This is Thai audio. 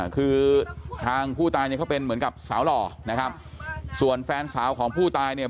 คือทางผู้ตายเนี่ยเขาเป็นเหมือนกับสาวหล่อนะครับส่วนแฟนสาวของผู้ตายเนี่ย